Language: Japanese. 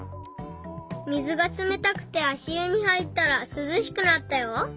水がつめたくてあしゆにはいったらすずしくなったよ。